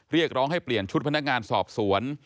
เรียกร้องให้เปลี่ยนชุดพนักงานสอบสวน